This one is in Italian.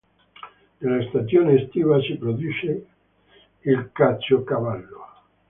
Nella stagione estiva si produce il caciocavallo.